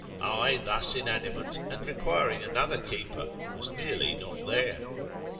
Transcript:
I, thus inanimate, and requiring another keeper, was nearly not there.